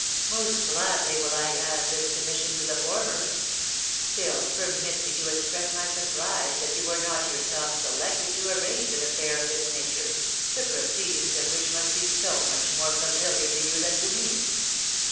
Most gladly will I add this commission to the former; still permit me to express my surprise that you were not yourself selected to arrange an affair of this nature, the proceedings of which must be so much more familiar to you than to me."